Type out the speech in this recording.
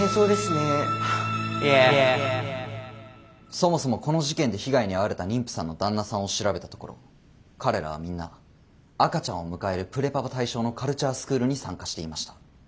そもそもこの事件で被害に遭われた妊婦さんの旦那さんを調べたところ彼らはみんな赤ちゃんを迎えるプレパパ対象のカルチャースクールに参加していました。